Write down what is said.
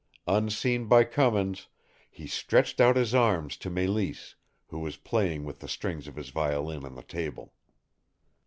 Unseen by Cummins, he stretched out his arms to Mélisse, who was playing with the strings of his violin on the table.